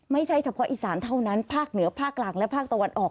ไม่ใช่เฉพาะอีสานเท่านั้นภาคเหนือภาคกลางและภาคตะวันออก